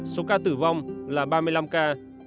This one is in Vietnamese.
số ca tử vong là ba mươi năm ca